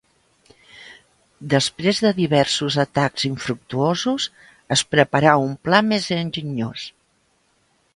Després de diversos atacs infructuosos, es preparà un pla més enginyós.